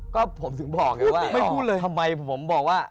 ก็ผมถึงบอกเลยว่า